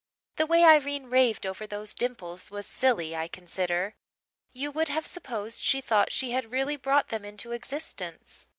The way Irene raved over those dimples was silly, I consider. You would have supposed she thought she had really brought them into existence.